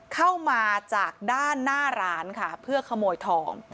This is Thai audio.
เข้ามาจากด้านหน้าร้านค่ะเพื่อขโมยทอง